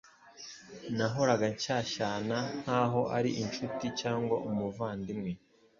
Nahoraga nshyashyana nk’aho ari incuti cyangwa umuvandimwe